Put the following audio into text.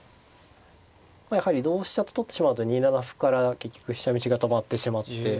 やはり同飛車と取ってしまうと２七歩から結局飛車道が止まってしまって。